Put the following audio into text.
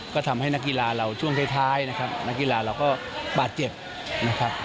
ก็ทำให้นักกีฬาเราช่วงท้ายนะครับนักกีฬาเราก็บาดเจ็บนะครับ